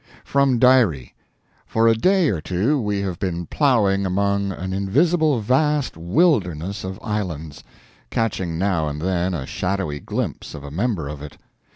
From Diary: For a day or two we have been plowing among an invisible vast wilderness of islands, catching now and then a shadowy glimpse of a member of it.